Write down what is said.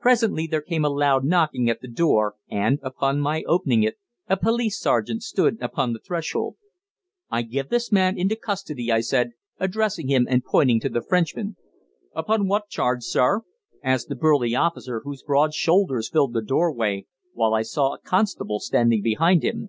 Presently there came a loud knocking at the door, and, upon my opening it, a police sergeant stood upon the threshold. "I give this man into custody," I said, addressing him and pointing to the Frenchman. "Upon what charge, sir?" asked the burly officer, whose broad shoulders filled the doorway, while I saw a constable standing behind him.